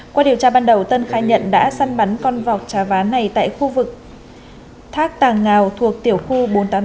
qua điều tra ban đầu tân khai nhận đã săn bắn con vọc trà vá này tại khu vực thác tà ngào thuộc tiểu khu bốn trăm tám mươi tám